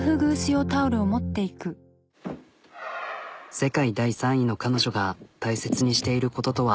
世界第３位の彼女が大切にしていることとは。